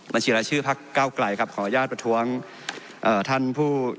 บัญชีรายชื่อพักเก้าไกลครับขออนุญาตประท้วงเอ่อท่านผู้